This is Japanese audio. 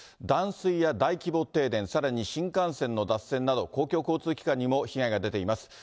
断水や大規模停電、さらに新幹線の脱線など、公共交通機関にも被害が出ています。